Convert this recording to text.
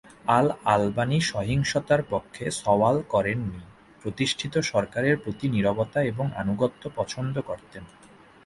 আল-আলবানী সহিংসতার পক্ষে সওয়াল করেননি, প্রতিষ্ঠিত সরকারের প্রতি নীরবতা এবং আনুগত্য পছন্দ করতেন।